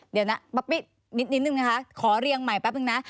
เดี๋ยวนะนิดนึงนะคะขอเรียงใหม่แป๊บนึงนะ